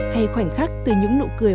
hay khoảnh khắc từ những nụ cười